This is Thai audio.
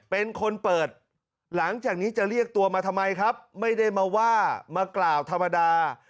เป็นคนเปิดหลังจากนี้จะเรียกตัวมาทำไมครับไม่ได้มาว่ามากล่าวธรรมดา